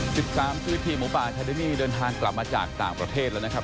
สิบสามคือทีมหมูป่าคาเดมี่เดินทางกลับมาจากต่างประเทศแล้วนะครับ